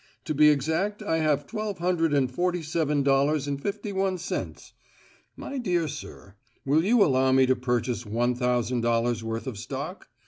To be exact, I have twelve hundred and forty seven dollars and fifty one cents. My dear sir, will you allow me to purchase one thousand dollars' worth of stock?